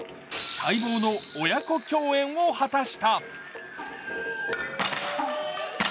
待望の親子共演を果たした。